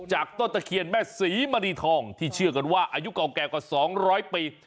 ต้นตะเคียนแม่ศรีมณีทองที่เชื่อกันว่าอายุเก่าแก่กว่า๒๐๐ปี